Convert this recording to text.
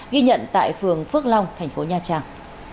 ghi nhận tại phường phước long thành phố nha trang